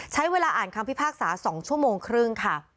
ใช้เวลาอ่านคำพิพากษา๒ชั่วโมงครึ่งค่ะ